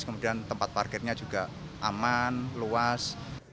kemudian tempat parkirnya juga aman luas